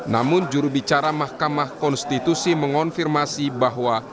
namun jurubicara mahkamah konstitusi mengonfirmasi bahwa